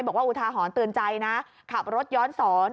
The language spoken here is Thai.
อุทาหรณ์เตือนใจนะขับรถย้อนสอน